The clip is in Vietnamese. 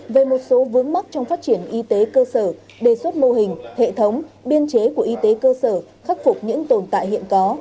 về một số vướng mắc trong phát triển y tế cơ sở đề xuất mô hình hệ thống biên chế của y tế cơ sở khắc phục những tồn tại hiện có